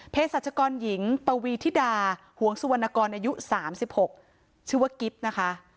เพศรัชกรหญิงปวีธิดาหวงสุวรรณกรอายุสามสิบหกชื่อว่ากิ๊บนะคะ